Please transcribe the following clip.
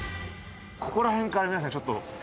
ここら辺から皆さんちょっと。